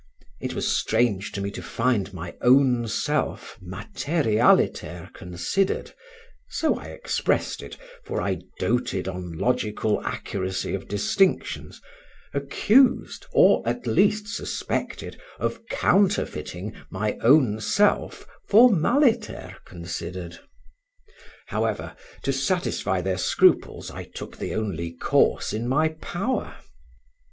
It was strange to me to find my own self materialiter considered (so I expressed it, for I doated on logical accuracy of distinctions), accused, or at least suspected, of counterfeiting my own self formaliter considered. However, to satisfy their scruples, I took the only course in my power.